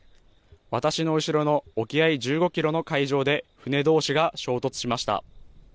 私の後ろの沖合１５キロの海上で船どうしが衝突しました。